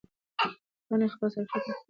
پاڼې خپل سر ښکته کړی و.